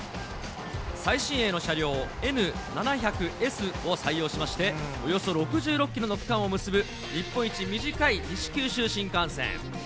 最新鋭の車両、Ｎ７００Ｓを採用しまして、およそ６６キロの区間を結ぶ、日本一短い西九州新幹線。